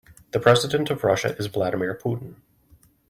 The president of Russia is Vladimir Putin.